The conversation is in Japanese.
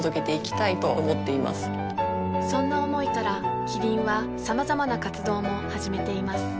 そんな思いからキリンはさまざまな活動も始めています